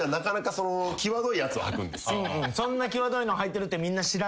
そんな際どいのはいてるってみんな知らない。